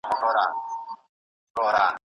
د دغه نومیالي افغان هنرمند